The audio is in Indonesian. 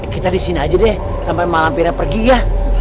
kita disini aja deh sampai malampirnya pergi ya